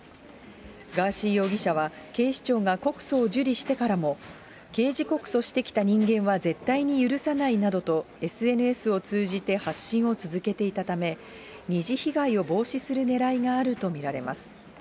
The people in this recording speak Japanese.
ガーシー容疑者は警視庁が告訴を受理してからも、刑事告訴してきた人間は絶対に許さないなどと、ＳＮＳを通じて発信を続けていたため、二次被害を防止するねらいがあると見られます。